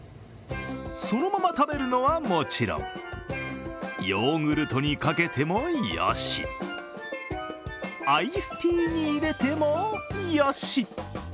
そのまま食べるのはもちろんヨーグルトにかけてもよし、アイスティーに入れてもよし。